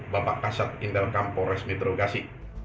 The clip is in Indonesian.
bapak kasat intelkam polres metro bekasi